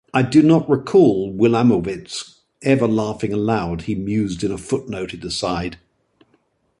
"I do not recall Wilamowitz ever laughing aloud," he mused in a footnoted aside.